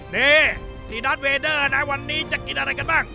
นี่ที่ดาร์ดเวด้อนายจะกินอะไรกันว่าง